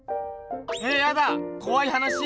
えやだこわい話？